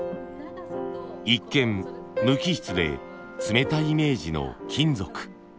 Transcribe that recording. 一見無機質で冷たいイメージの金属。